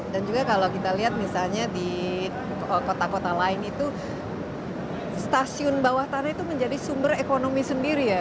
dan juga kalau kita lihat misalnya di kota kota lain itu stasiun bawah tanah itu menjadi sumber ekonomi sendiri ya